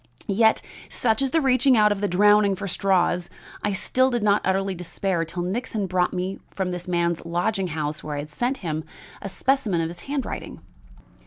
"Yet, such is the reaching out of the drowning for straws, I did not utterly despair till Nixon brought me from this man's lodging house, where I had sent him, a specimen of his handwriting.